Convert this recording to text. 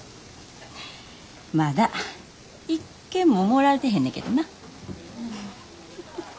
まだ一件ももらえてへんねけどな。